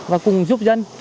và cùng giúp dân